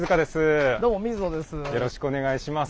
よろしくお願いします。